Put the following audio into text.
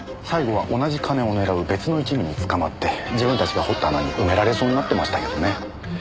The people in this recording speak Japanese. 最後は同じ金を狙う別の一味に捕まって自分たちが掘った穴に埋められそうになってましたけどね。